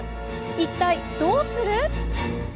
一体どうする？